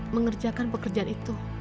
mengerjakan pekerjaan itu